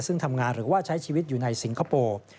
ซึ่งทำงานหรือว่าใช้ชีวิตอยู่ในสิงคโปร์